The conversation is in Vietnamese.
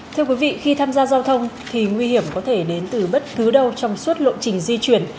thưa quý vị khi tham gia giao thông thì nguy hiểm có thể đến từ bất cứ đâu trong suốt lộ trình di chuyển